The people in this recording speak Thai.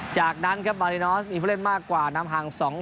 จากนั้นมารินอสมีเพื่อเล่นมากกว่าน้ำห่าง๒๐